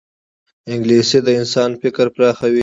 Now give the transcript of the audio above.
انګلیسي د انسان فکر پراخوي